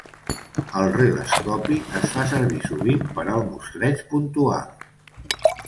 El Relascopi es fa servir sovint per al mostreig puntual.